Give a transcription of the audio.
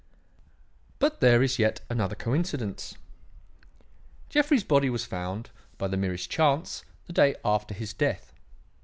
"But there is yet another coincidence. Jeffrey's body was found, by the merest chance, the day after his death.